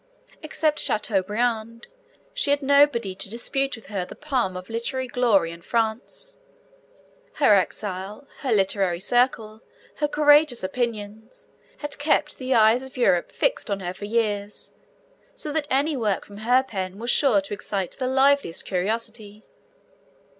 Except Chateaubriand, she had nobody to dispute with her the palm of literary glory in France. Her exile, her literary circle, her courageous opinions, had kept the eyes of Europe fixed on her for years, so that any work from her pen was sure to excite the liveliest curiosity.